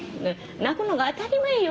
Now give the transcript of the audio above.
泣くのが当たり前よ